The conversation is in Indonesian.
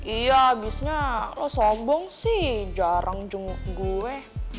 iya abisnya lo sombong sih jarang jenguk gue